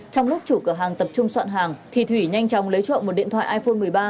trong lúc chủ cửa hàng tập trung soạn hàng thì thủy nhanh chóng lấy trộm một điện thoại iphone một mươi ba